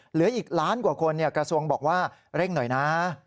เหลืออีกล้านกว่าคนกระทรวงบอกว่าเร่งหน่อยนะ